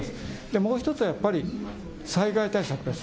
もう１つはやっぱり災害対策です。